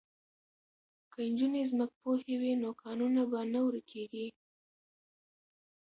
که نجونې ځمکپوهې وي نو کانونه به نه ورکیږي.